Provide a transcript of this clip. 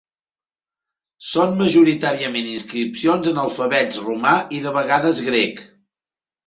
Són majoritàriament inscripcions en alfabets romà i de vegades grec.